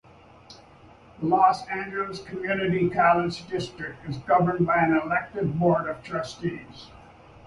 The Los Angeles Community College District is governed by an elected Board of Trustees.